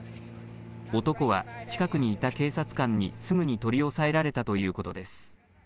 男は近くにいた警察官にすぐに取り押さえられたということです。